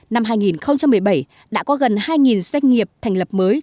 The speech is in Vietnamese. năm hai nghìn một mươi bảy đã có gần hai doanh nghiệp thành lập mới